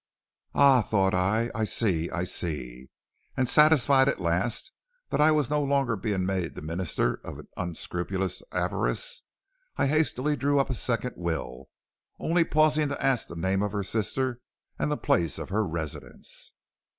"'Ah,' thought I, 'I see, I see'; and satisfied at last that I was no longer being made the minister of an unscrupulous avarice, I hastily drew up a second will, only pausing to ask the name of her sister and the place of her residence.